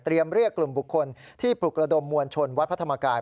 เรียกกลุ่มบุคคลที่ปลุกระดมมวลชนวัดพระธรรมกาย